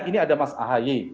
ini ada mas ahy